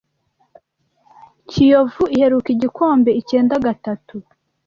Kiyovu iheruka igikombe icyenda gatatu